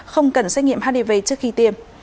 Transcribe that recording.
không cần xét nghiệm hdv trước khi tiêm